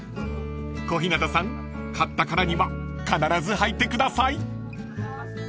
［小日向さん買ったからには必ずはいてください］